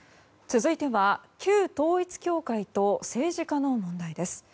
続いては旧統一教会と政治家の問題です。